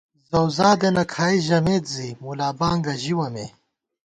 زؤزادېنہ کھائی ژَمېت زی مُلابانگہ ژِوَہ مے